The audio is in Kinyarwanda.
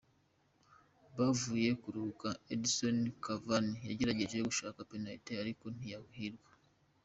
Bavuye kuruhuka, Edinson Cavani yagerageje gushaka penaliti ariko ntiyahirwa.